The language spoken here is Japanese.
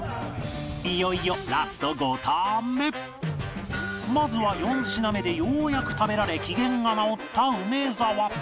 いよいよまずは４品目でようやく食べられ機嫌が直った梅沢